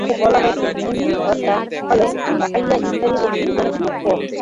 তাতে বলা হয়েছে, মুড়ি ভর্তা হলো ঢাকাইয়া ইফতারির একটি জনপ্রিয় পদ।